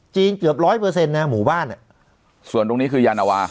จีนเกือบ๑๐๐หมู่บ้านส่วนตรงนี้คือยานวา